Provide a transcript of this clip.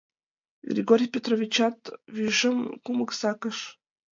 Григорий Петровичат вуйжым кумык сакыш.